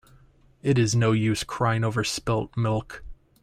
It is no use crying over spilt milk.